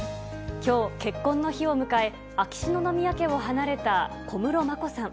きょう、結婚の日を迎え、秋篠宮家を離れた小室眞子さん。